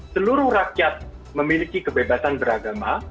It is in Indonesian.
seluruh rakyat memiliki kebebasan beragama